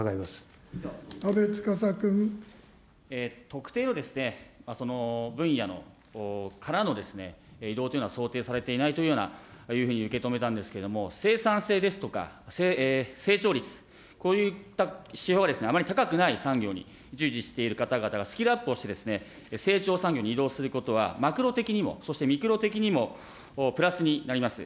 特定の分野からの移動というのは想定されていないというようなふうに受け止めたんですけれども、生産性ですとか、成長率、こういった支援はあまり高くない産業に従事している方がスキルアップをして成長産業に移動することは、マクロ的にも、そしてミクロ的にもプラスになります。